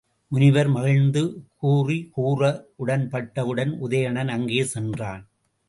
முனிவர் மகிழ்ந்து குறிகூற உடன்பட்டவுடன் உதயணன் அங்கே சென்றான்.